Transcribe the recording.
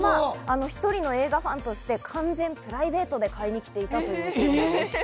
たまたま、１人の映画ファンとして完全プライベートで買いに来ていたということです。